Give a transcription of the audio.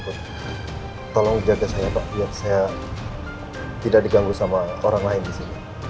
tolong jaga saya pak biar saya tidak diganggu sama orang lain di sini